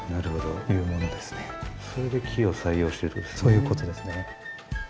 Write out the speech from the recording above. そういうことですね。